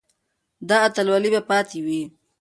دا اتلولي به پاتې وي.